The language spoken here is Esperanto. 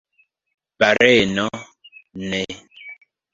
Baleno: "Ne."